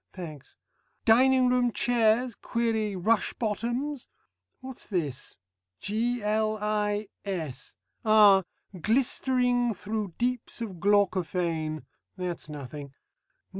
(Thanks.) Dining room chairs query rush bottoms? What's this? G.L.I.S. ah! "Glistering thro' deeps of glaucophane" that's nothing.